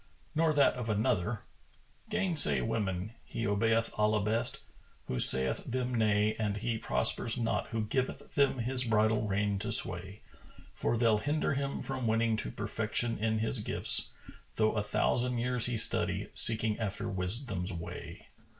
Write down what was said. Nor that of another,[FN#430] "Gainsay women; he obeyeth Allah best, who saith them nay And he prospers not who giveth them his bridle rein to sway; For they'll hinder him from winning to perfection in his gifts, Though a thousand years he study, seeking after wisdom's way."